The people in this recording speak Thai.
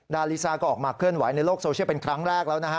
ดาลิซาก็ออกมาเคลื่อนไหวในโลกโซเชียลเป็นครั้งแรกแล้วนะฮะ